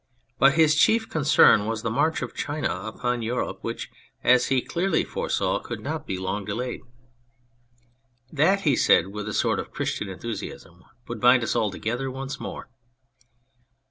But his chief concern was the march of China upon Europe, which, as he clearly foresaw, could not be long delayed. 68 On a Prophet " That," he said, with a sort of Christian enthusiasm, "would bind us all together once more